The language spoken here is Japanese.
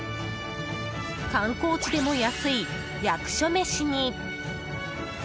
観光地でも安い役所メシに。